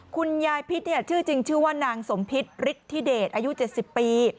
คุณยายพิษชื่อจริงชื่อว่านางสมพิษฤทธิเดชอายุ๗๐ปี